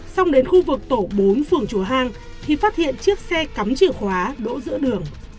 xong đến khu vực tổ bốn phường chùa hang thì phát hiện chiếc xe cắm chìa khóa đỗ giữa đường